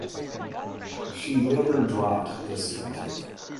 She later dropped the suit.